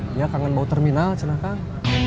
dia kangen bau terminal cina kang